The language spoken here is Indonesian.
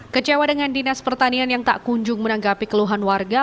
kecewa dengan dinas pertanian yang tak kunjung menanggapi keluhan warga